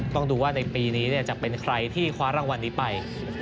ต้องดูว่าในปีนี้จะเป็นใครที่คว้ารางวัลนี้ไป